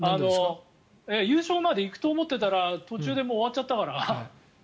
優勝まで行くと思っていたら途中で終わっちゃったから。